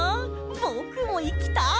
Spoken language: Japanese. ぼくもいきたい！